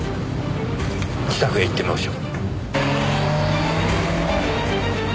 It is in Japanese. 自宅へ行ってみましょう。